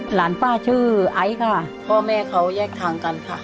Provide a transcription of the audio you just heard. หลานป้าชื่อไอซ์ค่ะพ่อแม่เขาแยกทางกันค่ะ